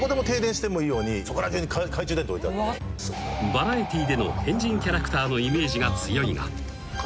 ［バラエティーでの変人キャラクターのイメージが強いが］